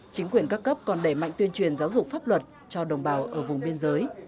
chính quyền các cấp còn đẩy mạnh tuyên truyền giáo dục pháp luật cho đồng bào ở vùng biên giới